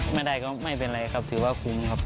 ไม่ได้ก็ไม่เป็นไรครับถือว่าคุ้มครับ